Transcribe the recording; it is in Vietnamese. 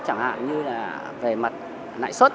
chẳng hạn như là về mặt nãi xuất